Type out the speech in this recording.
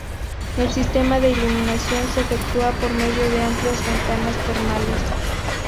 El sistema de iluminación se efectúa por medio de amplias ventanas termales.